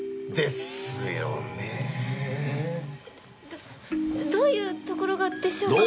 どどういうところがでしょうか？